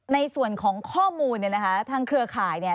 ในส่วนของข้อมูลเนี่ยนะคะทางเครือข่ายเนี่ย